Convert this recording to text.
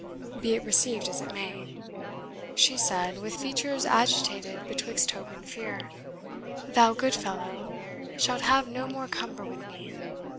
Be it received as it may," she said, with features agitated betwixt hope and fear, "thou, good fellow, shalt have no more cumber with me.